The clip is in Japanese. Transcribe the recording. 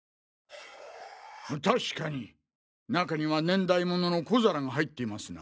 確かに中には年代物の小皿が入っていますな。